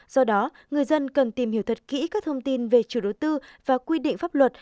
do đó người dân cần tìm hiểu thật kỹ các thông tin về chủ đối tư và quy định pháp luật